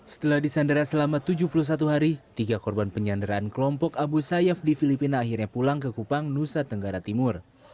setelah disandera selama tujuh puluh satu hari tiga korban penyanderaan kelompok abu sayyaf di filipina akhirnya pulang ke kupang nusa tenggara timur